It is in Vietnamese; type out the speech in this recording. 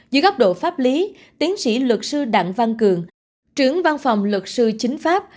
dưới góc độ pháp lý tiến sĩ luật sư đặng văn cường trưởng văn phòng luật sư chính pháp